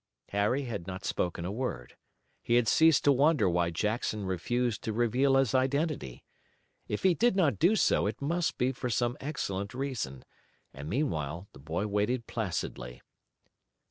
Harry had not spoken a word. He had ceased to wonder why Jackson refused to reveal his identity. If he did not do so it must be for some excellent reason, and, meanwhile, the boy waited placidly.